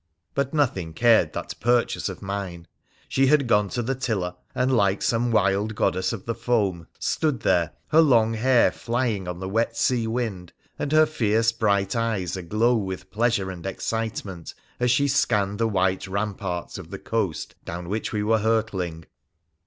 But nothing cared that purchase of mine. She had gone to the tiller, and, like some wild goddess of the foam, stood there, her long hair flying on the wet sea wind and her fierce bright eyes aglow with pleasure and excite ment as she scanned the white ramparts of the coast down which we were hurtling.